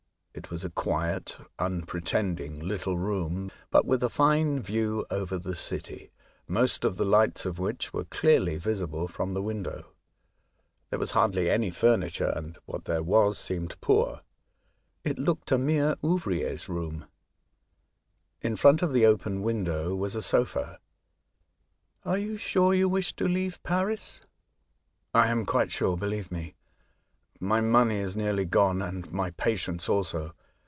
It was a quiet, unpretending little room, but with a fine view over the city, most of the lights of which were clearly visible from the window. There was hardly any furniture, and what there was c 18 A Voyage to Other Worlds. seemed poor. It looked a mere ouvrier^s room. In front of the open window was a sofa. " Are you sure you wish to leave Paris ?"^' I am quite sure, believe me. My money is nearly gone, and my patience also.